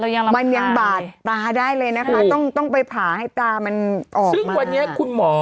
ยังไงมันยังบาดตาได้เลยนะคะต้องต้องไปผ่าให้ตามันออกซึ่งวันนี้คุณหมอ